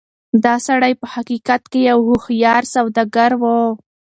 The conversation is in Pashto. دا سړی په حقيقت کې يو هوښيار سوداګر و.